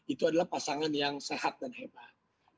itu adalah pasangan yang sehat dan hebat